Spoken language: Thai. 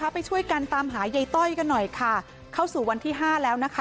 ไปช่วยกันตามหายายต้อยกันหน่อยค่ะเข้าสู่วันที่ห้าแล้วนะคะ